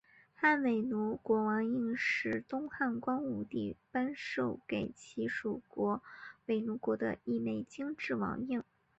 汉倭奴国王印是东汉光武帝颁授给其属国倭奴国的一枚金制王印。